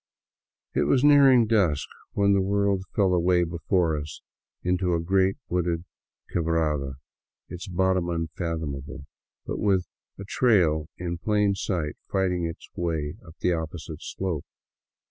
It was nearing dusk when the world fell away before us into a great wooded quebrada, its bottom unfathomable, but with a trail in plain sight fighting its way up the opposite slope.